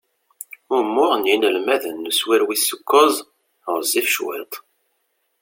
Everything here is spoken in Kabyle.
Umuɣ n yinelmaden n uswir wis ukkuẓ ɣezzif cwiṭ.